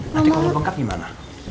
nanti kamu bengkak gimana